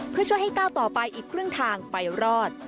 เพื่อช่วยให้ก้าวต่อไปอีกครึ่งทางไปรอด